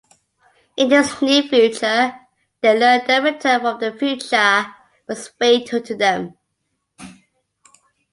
In this near-future, they learn their return from the future was fatal to them.